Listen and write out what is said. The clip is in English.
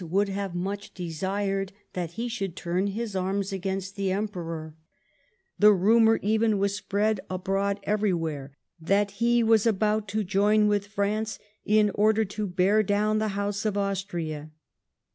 would have much desired that he should turn his arms against the Emperor; the rumour even was spread abroad everywhere that he was about to join with France in order to bear down the House of Austria.'